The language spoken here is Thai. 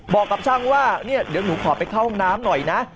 บอกกับช่างว่าเนี่ยเดี๋ยวหนูขอไปเข้าห้องน้ำหน่อยนะ